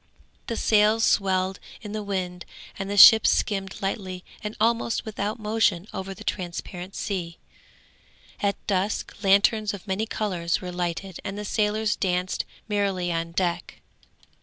The sails swelled in the wind and the ship skimmed lightly and almost without motion over the transparent sea. At dusk lanterns of many colours were lighted and the sailors danced merrily on deck.